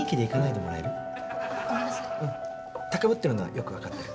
高ぶってるのはよく分かってるから。